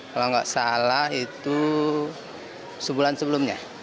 kalau nggak salah itu sebulan sebelumnya